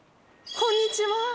こんにちは。